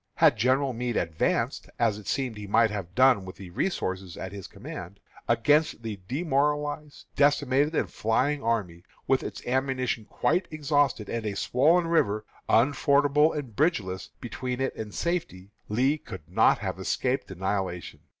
Had General Meade advanced, as it seems he might have done with the resources at his command, against the demoralized, decimated, and flying army, with its ammunition quite exhausted, and a swollen river, unfordable and bridgeless, between it and safety, Lee could not have escaped annihilation.